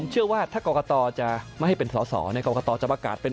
ผมเชื่อว่าถ้ากอกกะตอจะไม่ให้เป็นสอเนี่ยกอกกะตอจะประกาศเป็น